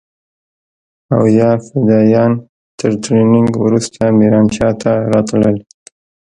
او يا فدايان تر ټرېننگ وروسته ميرانشاه ته راتلل.